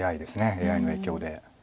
ＡＩの影響で。